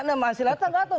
nah mas silema nggak tahu